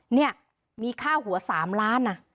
เนี่ยมีค่าหัว๓ล้านนะ